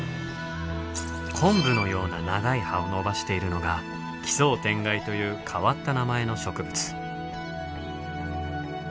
昆布のような長い葉を伸ばしているのがキソウテンガイという変わった名前の植物。